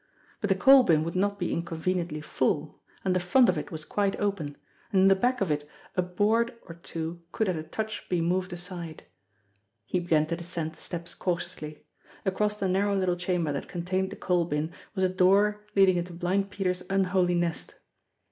But the coal bin would not be inconveniently full, and the front of it was quite open, and in the back of it a board or two could at a touch be moved aside. He began to descend the steps cautiously. Across the nar row little chamber that contained the coal bin was a door leading into Blind Peter's unholy nest.